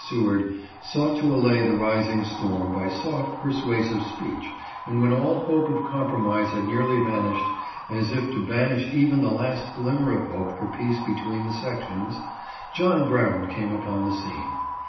Seward sought to allay the rising storm by soft, persuasive speech, and when all hope of compromise had nearly vanished, as if to banish even the last glimmer of hope for peace between the sections, John Brown came upon the scene.